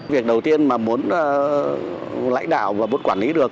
việc đầu tiên mà muốn lãnh đạo và muốn quản lý được